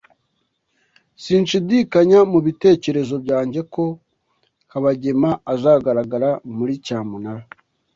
Sinshidikanya mubitekerezo byanjye ko Kabagema azagaragara muri cyamunara.